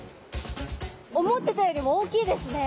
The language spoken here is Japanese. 思ってたよりも大きいですね。